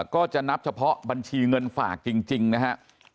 ก็จะนับเฉพาะบัญชีเงินฝากจริงนะฮะ